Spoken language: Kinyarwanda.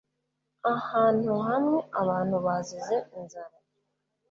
ahantu hamwe, abantu bazize inzara